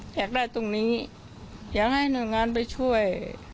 อยากได้ตรงนี้อยากให้หน่วยงานไปช่วย